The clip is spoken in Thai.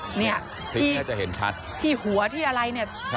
คลิปน่าจะเห็นชัดที่หัวที่อะไรเนี่ย